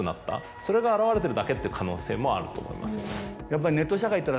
それが表れてるだけっていう可能性もあると思いますね。